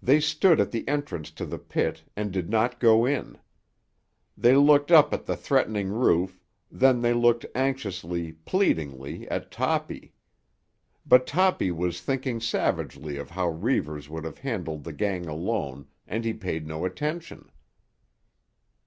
They stood at the entrance to the pit and did not go in. They looked up at the threatening roof; then they looked anxiously, pleadingly, at Toppy. But Toppy was thinking savagely of how Reivers would have handled the gang alone and he paid no attention.